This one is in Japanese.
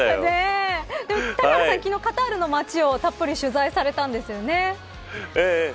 昨日、カタールの街をたっぷり取材されたんですよね。